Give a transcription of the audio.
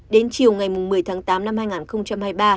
đến chiều ngày một mươi tháng tám năm hai nghìn hai mươi ba